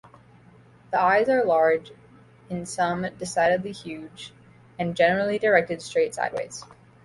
The eyes are large, in some decidedly huge, and generally directed straight sideways.